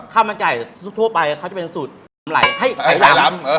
ข้ามันใจทั่วไปเขาจะเป็นสูตรหายล้ำ